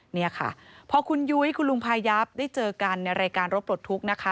นี่ค่ะพอคุณยุ้ยคุณลุงพายับได้เจอกันในรายการรถปลดทุกข์นะคะ